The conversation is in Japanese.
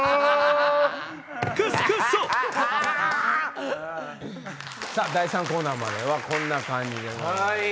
ククソ第３コーナーまではこんな感じでございます。